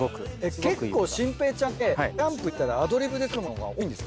結構心平ちゃんってキャンプ行ったらアドリブで作るもののほうが多いんですか？